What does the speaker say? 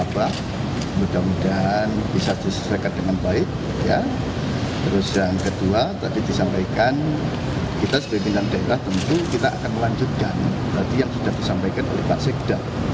berarti yang sudah disampaikan oleh pak sikda